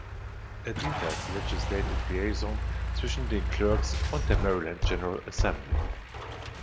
Er dient als Legislative Liaison zwischen den Clerks und der Maryland General Assembly.